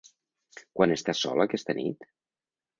Quan estàs sola aquesta nit?